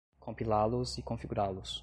compilá-los e configurá-los